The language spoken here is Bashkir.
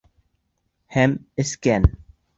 Һәм эскән!